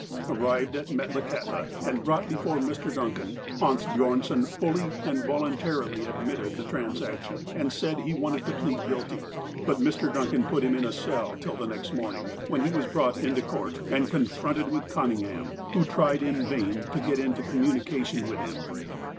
Arrived at Metlakahtla, and brought before Mr. Dun can, Hans Bjornson fully and voluntarily admitted the transaction, and said he wanted to plead guilty, but Mr. Duncan put him in a cell till the next morning, when he was brought into court and confronted with Cunning ham, who tried in vain to get into communication with him.